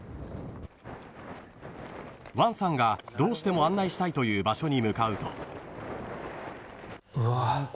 ［ワンさんがどうしても案内したいという場所に向かうと］